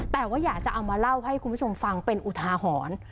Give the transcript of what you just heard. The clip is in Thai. แต่ว่าอยากจะเอามาเล่าให้คุณผู้ชมฟังเป็นอุทาหรณ์